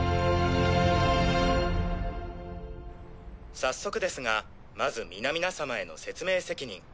早速ですがまず皆々様への説明責任。